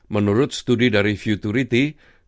menurut studi dari futurity